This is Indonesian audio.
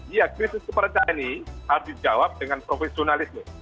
iya krisis kepercayaan ini harus dijawab dengan profesionalisme